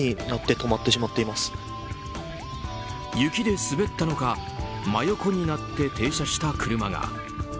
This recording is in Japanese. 雪で滑ったのか真横になって停車した車が。